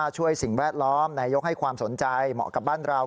สิ่งแวดล้อมนายกให้ความสนใจเหมาะกับบ้านเรา